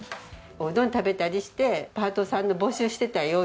おうどん食べたりしてパートさんの募集してたよ